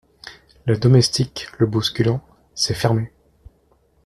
Les Domestiques , le bousculant. — C’est fermé !